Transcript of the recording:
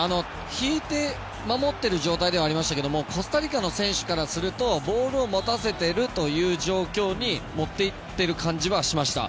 引いて守っている状態ではありましたがコスタリカの選手からするとボールを持たせているという状況に持っていっている感じはしました。